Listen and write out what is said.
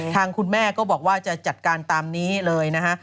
ทางคุณแม่ก็บอกว่าจะจัดการตามนี้เลยนะฮะ